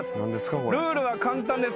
ルールは簡単です。